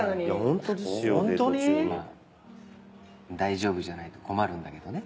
まあ大丈夫じゃないと困るんだけどね。